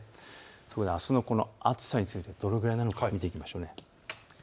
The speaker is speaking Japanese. そこで、あすの暑さについてどれぐらいなのか見ていきましょう。